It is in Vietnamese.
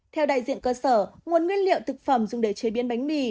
theo đại diện cơ sở nguồn nguyên liệu thực phẩm dùng để chế biến bánh mì